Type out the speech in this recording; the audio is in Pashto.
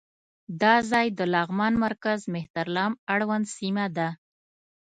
دا ځای د لغمان مرکز مهترلام اړوند سیمه ده.